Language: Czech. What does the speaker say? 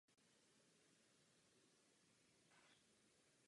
Současná situace není důsledkem jejich rozhodnutí.